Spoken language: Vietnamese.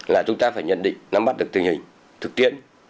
là chúng ta phải nhận định năm bắt được tương hình thực tiễn